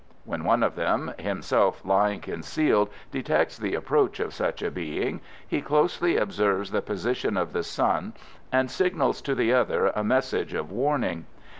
When one of them, himself lying concealed, detects the approach of such a being, he closely observes the position of the sun, and signals to the other a message of warning.